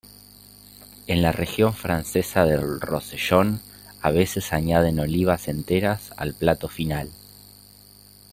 En la región francesa del Rosellón a veces añaden olivas enteras al plato final.